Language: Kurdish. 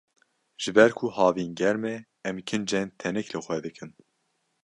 Ji ber ku havîn germ e, em kincên tenik li xwe dikin.